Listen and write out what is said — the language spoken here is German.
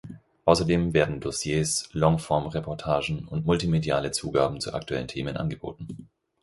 Ausserdem werden Dossiers, Longform-Reportagen und multimediale Zugaben zu aktuellen Themen angeboten.